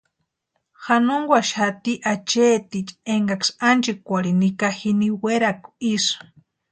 Janonkwanhaxati acheticha enkaksï ánchikwarhini nika jini werakwa isï.